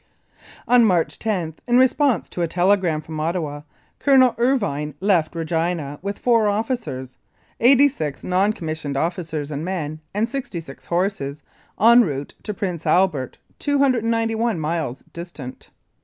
ON March 10, in response to a telegram from Ottawa, Colonel Irvine left Regina with four officers, eighty six non commissioned officers and men and sixty six horses, en route to Prince Alberta, 291 miles distant.